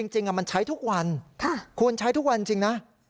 จริงมันใช้ทุกวันคุณใช้ทุกวันจริงนะ